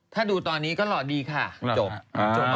ถ้าดูตอนนี้ก็หล่อดีค่ะจบ